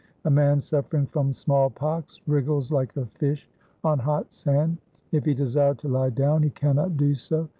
A man suffering from small pox wriggles like a fish on hot sand. If he desire to lie down, he cannot do so.